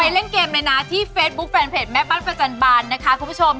เล่นเกมเลยนะที่เฟซบุ๊คแฟนเพจแม่บ้านประจันบาลนะคะคุณผู้ชม